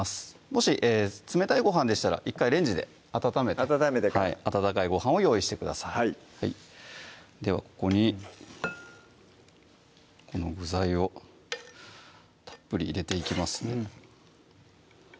もし冷たいご飯でしたら１回レンジで温めて温めてから温かいご飯を用意してくださいではここにこの具材をたっぷり入れていきます